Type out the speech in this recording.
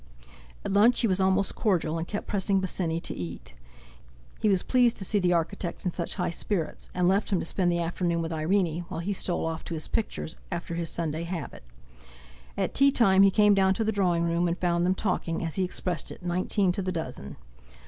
At lunch he was almost cordial, and kept pressing Bosinney to eat. He was pleased to see the architect in such high spirits, and left him to spend the afternoon with Irene, while he stole off to his pictures, after his Sunday habit. At tea time he came down to the drawing room, and found them talking, as he expressed it, nineteen to the dozen.